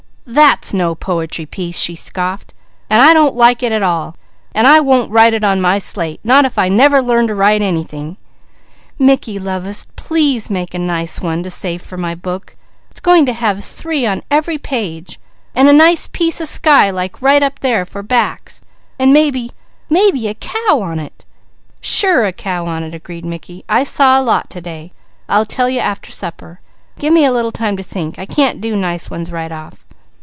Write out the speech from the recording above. "That's no po'try piece," she scoffed, "an' I don't like it at all, an' I won't write it on my slate; not if I never learn to write anything. Mickey lovest, please make a nice one to save for my book. It's going to have three on ev'ry page, an' a nice piece o' sky like right up there for backs, and mebby mebby a cow on it!" "Sure a cow on it," agreed Mickey. "I saw a lot to day! I'll tell you after supper. Gimme a little time to think. I can't do nice ones right off."